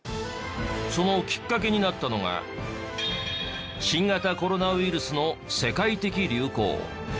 そのきっかけになったのが新型コロナウイルスの世界的流行。